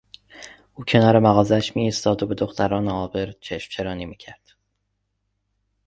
او کنار مغازهاش میایستاد و به دختران عابر چشمچرانی میکرد.